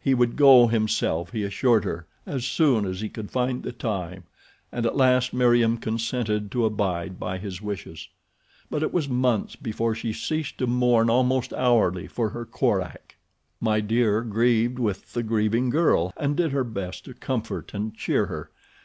He would go himself, he assured her, as soon as he could find the time, and at last Meriem consented to abide by his wishes; but it was months before she ceased to mourn almost hourly for her Korak. My Dear grieved with the grieving girl and did her best to comfort and cheer her.